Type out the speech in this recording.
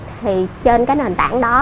thì trên cái nền tảng đó